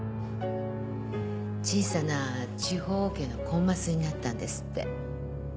小さな地方オケのコンマスになったんですって。